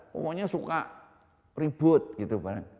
pokoknya suka ribut gitu